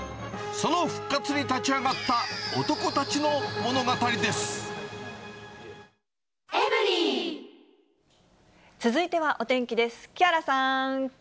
その復活に立ち上がった男たちの続いてはお天気です。